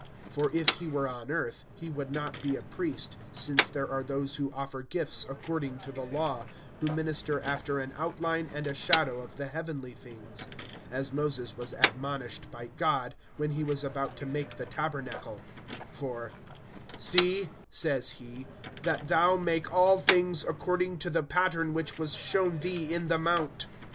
(4)For if he were on earth, he would not be a priest, since there are those who offer gifts according to the law, (5)who minister after an outline and a shadow of the heavenly things, as Moses was admonished by God, when he was about to make the tabernacle; for, See, says he, that thou make all things according to the pattern which was showed thee in the mount.